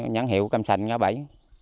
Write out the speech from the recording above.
nhãn hiệu cam sành ngã bẫy